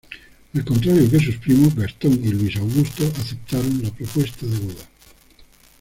Al contrario que sus primos, Gastón y Luis Augusto aceptaron la propuesta de boda.